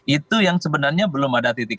itu yang sebenarnya belum ada titik